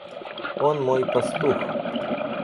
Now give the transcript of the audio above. Он мой пастух.